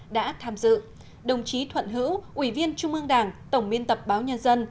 đã tham dự đồng chí thuận hữu ủy viên trung ương đảng tổng miên tập báo nhà dân